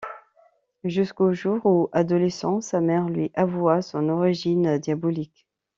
Jusqu'au jour où, adolescent, sa mère lui avoua son origine diabolique.